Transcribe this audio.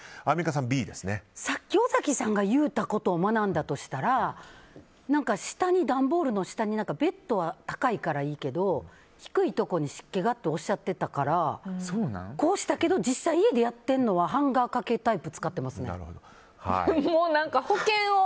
さっき尾崎さんが言ったことを学んだとしたら、段ボールの下にベッドは高いからいいけど低いところに湿気がっておっしゃってたからこうしたけど実際、家でやっているのはハンガーかけタイプ使っていますね。